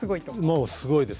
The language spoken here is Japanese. もうすごいです。